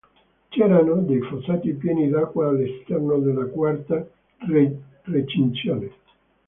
C'erano dei fossati pieni d'acqua all'esterno della quarta recinzione.